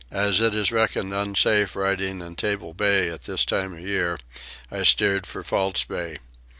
As it is reckoned unsafe riding in Table Bay at this time of year I steered for False Bay.